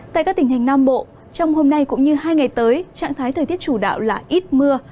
tại các tỉnh thành nam bộ trong hôm nay cũng như hai ngày tới trạng thái thời tiết chủ đạo là ít mưa